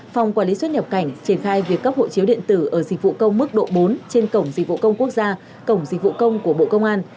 phòng quản lý xuất nhập cảnh triển khai việc cấp hộ chiếu điện tử ở dịch vụ công mức độ bốn trên cổng dịch vụ công quốc gia cổng dịch vụ công của bộ công an